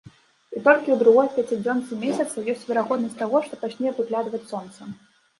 І толькі ў другой пяцідзёнцы месяца ёсць верагоднасць таго, што пачне выглядваць сонца.